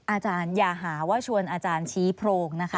อย่าหาว่าชวนอาจารย์ชี้โพรงนะคะ